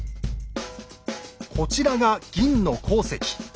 こちらが銀の鉱石。